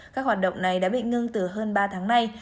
các hoạt động này đã bị ngưng từ hơn ba tháng nay